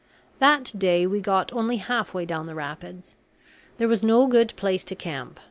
That day we got only half way down the rapids. There was no good place to camp.